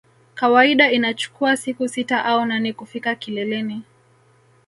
Kawaida inachukua siku sita au nane kufika kileleni